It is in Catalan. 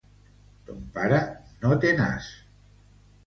Ton pare no té nas.